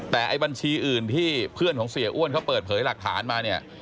แต่ไอ้บัญชีอื่นที่เพื่อนของเสียอ้วนเขาเปิดเผยหลักฐานมาเนี่ย